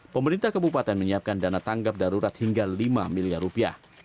pemerintah kabupaten menyiapkan dana tanggap darurat hingga lima miliar rupiah